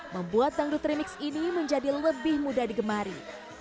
membuat dangdut trimix ini menjadi lebih mudah digemari